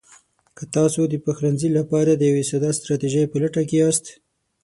که تاسو د پخلنځي لپاره د یوې ساده ستراتیژۍ په لټه کې یاست: